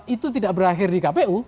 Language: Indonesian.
itu tidak berakhir di kpu